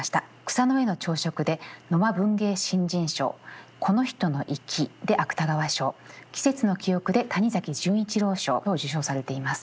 「草の上の朝食」で野間文芸新人賞「この人の閾」で芥川賞「季節の記憶」で谷崎潤一郎賞を受賞されています。